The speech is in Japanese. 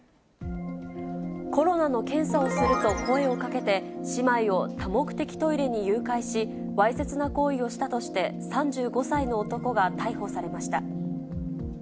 コロナの検査をすると声をかけて、姉妹を多目的トイレに誘拐し、わいせつな行為をしたとして、３５歳の男が逮捕されました。